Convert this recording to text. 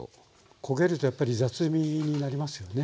焦げるとやっぱり雑味になりますよね。